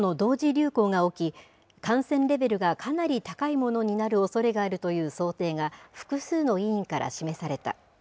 流行が起き、感染レベルがかなり高いものになるおそれがあるという想定が、複数の委員から示された。